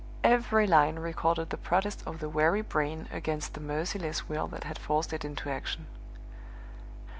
Every line recorded the protest of the weary brain against the merciless will that had forced it into action.